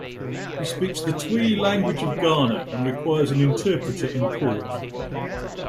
He speaks the Twi language of Ghana and requires an interpreter in court.